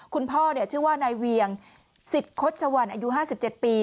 คุณพ่อเนี่ยชื่อว่านายเวียงสิทธิ์คดชวรอายุห้าสิบเจ็ดปี